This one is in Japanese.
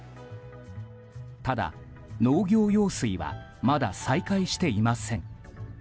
ただ農業用水はまだ再開していません。